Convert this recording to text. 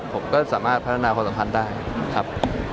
ผมก็สามารถพัฒนาความสัมพันธ์ได้ครับ